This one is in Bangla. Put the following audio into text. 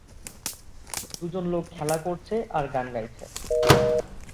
দুজন লোক খেলা করছে আর গান গাইছে